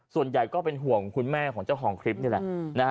ส่วนใหญ่ก็เป็นห่วงคุณแม่ของเจ้าของคลิปนี่แหละ